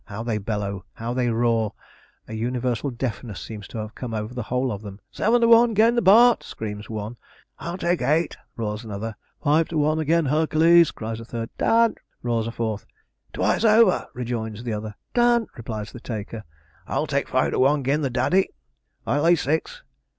How they bellow! How they roar! A universal deafness seems to have come over the whole of them. 'Seven to one 'gain the Bart.!' screams one 'I'll take eight!' roars another. 'Five to one agen Herc'les!' cries a third 'Done!' roars a fourth. 'Twice over!' rejoins the other 'Done!' replies the taker. 'Ar'll take five to one agin the Daddy!' 'I'll lay six!'